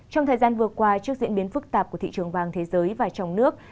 trong thời gian vừa qua trước diễn biến phức tạp của thị trường vàng thế giới và trong nước